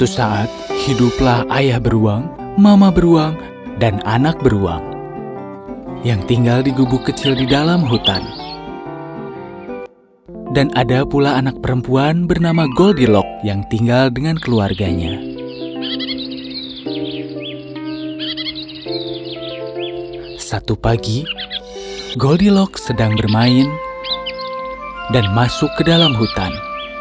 satu pagi goldilocks sedang bermain dan masuk ke dalam hutan